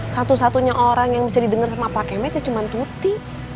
satu satunya orang yang bisa didengar sama pak kemet ya cuma tuti